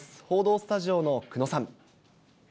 報道スタジオの久野さん。